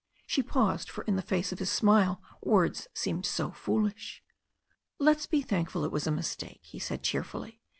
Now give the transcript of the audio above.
She paused, for in the face of his smile words seemed so foolish. "Let's be thankful it was a mistake," he said cheerfully.